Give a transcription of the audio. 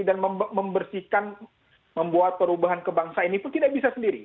dan membersihkan membuat perubahan kebangsaan ini pun tidak bisa sendiri